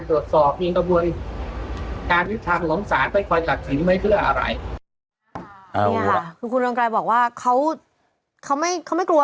ตรวจสอบมีกระบวนการพิจารณ์หลังศาลไปคอยการสิ้นไม่เพื่ออะไร